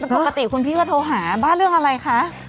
ปกติคุณพี่ก็โทรหาบ้าเรื่องอะไรคะ